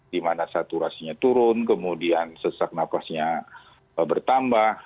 dimana saturasinya turun kemudian sesak nafasnya bertambah